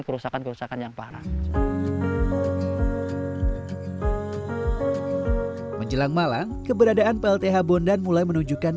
kerusakan kerusakan yang parah menjelang malang keberadaan plth bondan mulai menunjukkan